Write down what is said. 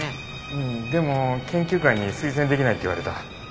うんでも研究会に推薦出来ないって言われた。